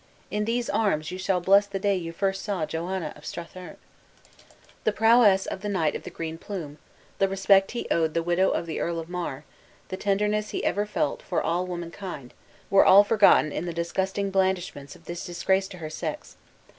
In these arms, you shall bless the day you first saw Joanna of Strathearn!" The prowess of the Knight of the Green Plume, the respect he owed to the widow of the Earl of Mar, the tenderness he ever felt for all of womankind, were all forgotten in the disgusting blandishments of this disgrace to her sex.